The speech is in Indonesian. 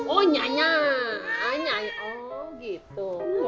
oh nyanya nyanya oh gitu